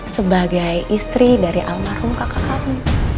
sebagai istri dari almarhum kakak kami